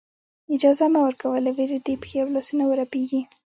اجازه مه ورکوه له وېرې دې پښې او لاسونه ورپېږي.